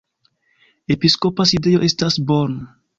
Episkopa sidejo estas Bonn.